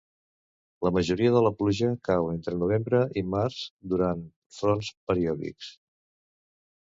La majoria de la pluja cau entre novembre i març, durant fronts periòdics.